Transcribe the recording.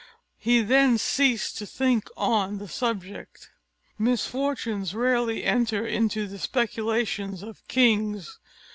He then ceased to think on the subject. Misfortunes rarely enter into the speculations of kings.